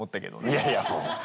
いやいやもう。